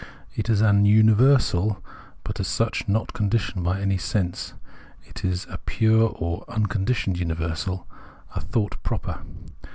It is an universal, but as such, not conditioned by sense; it is a pure or "unconditioned" universal — a thought proper.